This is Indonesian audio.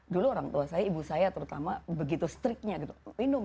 dulu orang tua saya ibu saya terutama begitu striknya gitu minum